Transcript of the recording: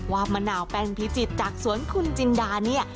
มะนาวแป้นพิจิตรจากสวนคุณจินดาเนี่ย